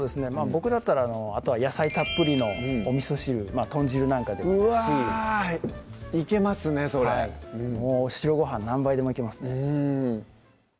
僕だったらあとは野菜たっぷりのおみそ汁豚汁なんかでもいいですしうわいけますねそれ白ごはん何杯でもいけますね